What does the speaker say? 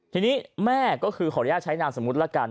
ทีนี้แม่ขออนุญาตใช้นางสมมติ